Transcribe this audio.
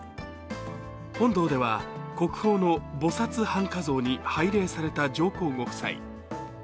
本堂では国宝の菩薩半跏像に拝礼された上皇ご夫妻。